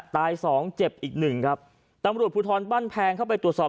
ตายสองเจ็บอีกหนึ่งครับตำรวจภูทรบ้านแพงเข้าไปตรวจสอบ